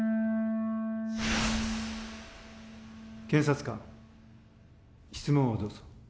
検察官質問をどうぞ。